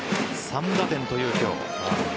３打点という今日。